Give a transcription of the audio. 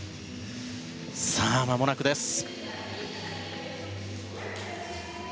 さあ、まもなくです。